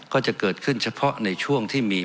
ก็จะเกิดขึ้นเฉพาะในช่วงที่มี